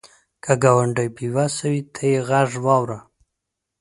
که ګاونډی بې وسه وي، ته یې غږ واوره